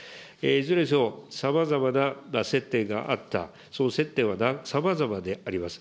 いずれにせよ、さまざまな接点があった、その接点はさまざまであります。